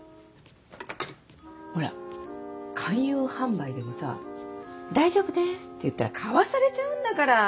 ほら勧誘販売でもさ「大丈夫です」って言ったら買わされちゃうんだから。